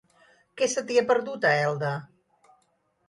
Què se t'hi ha perdut, a Elda?